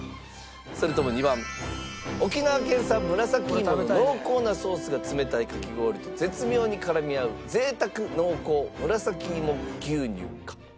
それとも２番沖縄県産紫いもの濃厚なソースが冷たいかき氷と絶妙に絡み合う贅沢濃厚紫いも牛乳か？